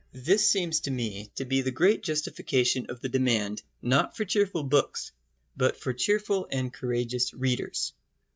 This seems to me to be the great justification of the demand, not for cheerful books, but for cheerful and courageous readers.